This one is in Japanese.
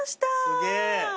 すげえ。